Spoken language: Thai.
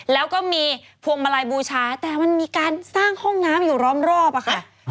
แล้วก็มีพวงมาลัยบูชาแต่มันมีการสร้างห้องน้ำอยู่ล้อมรอบอะค่ะ